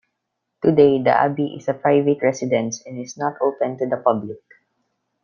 Today the abbey is a private residence and is not open to the public.